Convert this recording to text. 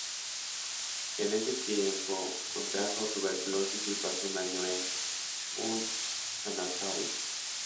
En ese tiempo contrajo tuberculosis y pasó un año en un sanatorio.